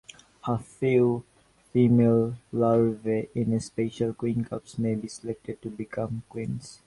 A few female larvae in special queen cups may be selected to become queens.